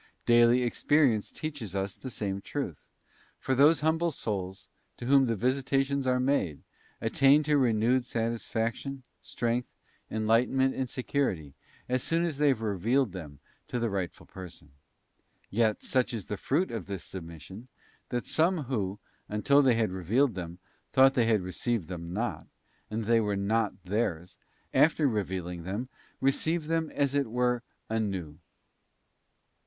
Daily experience teaches us the same truth; for those humble souls, to whom these visitations are made, attain to renewed satisfaction, strength, enlightenment, and security, as soon as they have revealed them to the rightful person. Yea, such is the fruit of this submission, that some who, until they had revealed them, thought they had received them not, and that they were not theirs, after revealing them receive them as it were anew.